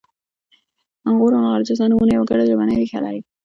د غور او غرجستان نومونه یوه ګډه ژبنۍ ریښه لري